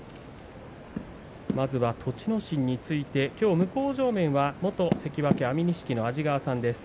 まずは栃ノ心について向正面は元関脇安美錦の安治川さんです。